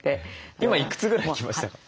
今いくつぐらい来ました？